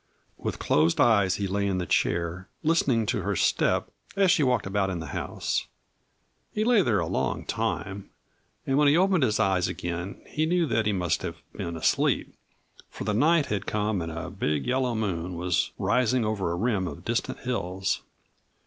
With closed eyes he lay in the chair, listening to her step as she walked about in the house. He lay there a long time, and when he opened his eyes again he knew that he must have been asleep, for the night had come and a big yellow moon was rising over a rim of distant hills.